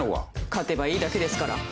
勝てばいいだけですから。